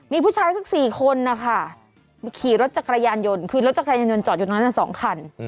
มีผู้ชายสัก๔คนนะคะขี่รถจักรยานยนต์คือรถจักรยานยนต์จอดอยู่ตรงนั้น๒คัน